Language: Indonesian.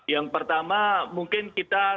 yang pertama mungkin kita